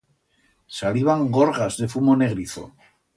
Saliban gorgas de fumo negrizo.